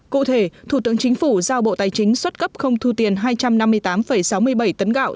cụ thể thủ tướng chính phủ giao bộ tài chính xuất cấp không thu tiền hai trăm năm mươi tám sáu mươi bảy tấn gạo